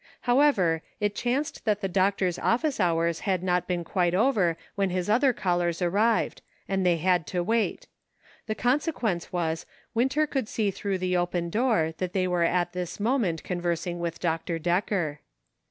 However, it chanced that the doctor's office hours had not been quite over when his other callers arrived, and they had to wait ; the consequence was, Winter could see through the open door that they were at this moment conversing with Dr. Decker.